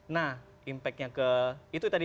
nah impact nya ke itu tadi